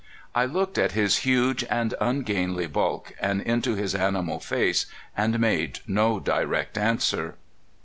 I looked at his huge and ungainly bulk, and into his animal face, and made no direct answer.